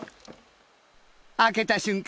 開けた瞬間